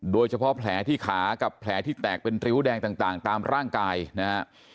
โดยเฉพาะแผลที่ขากับแผลที่แตกเป็นริ้วแดงต่างตามร่างกายนะฮะ